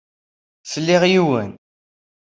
Fliɣ yiwen.